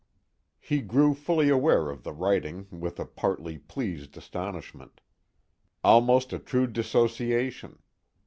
He grew fully aware of the writing with a partly pleased astonishment: almost a true dissociation.